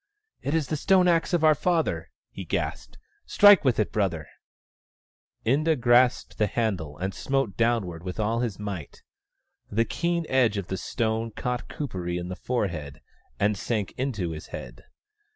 "It is the stone axe of our father," he gasped. " Strike with it, brother !" Inda grasped the handle, and smote downward with all his might. The keen edge of the stone caught Kuperee in the forehead, and sank into his head.